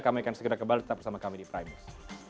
kami akan segera kembali tetap bersama kami di primus